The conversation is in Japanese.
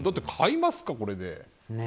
だって、買いますかこれで。